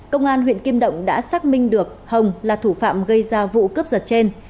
công an huyện kim động đã xác minh được hồng là thủ phạm gây ra vụ cướp giật trên